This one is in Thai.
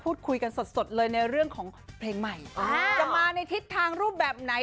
พูดคุยกันสดสดเลยในเรื่องของเพลงใหม่จะมาในทิศทางรูปแบบไหน